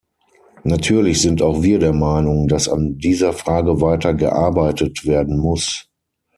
Natürlich sind auch wir der Meinung, dass an dieser Frage weiter gearbeitet werden muss.